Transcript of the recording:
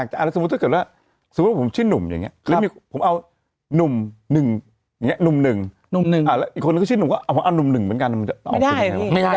หรือเรียกเลี่ยงได้